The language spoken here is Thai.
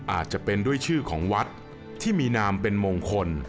อาจจะเป็นด้วยชื่อของวัดที่มีนามเป็นมงคล